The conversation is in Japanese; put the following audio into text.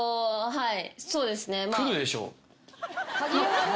はい。